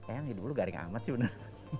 eng hidup lo garing amat sih bener